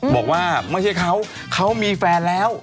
บอกว่าไม่ใช่เขาเขามีแฟนแล้ว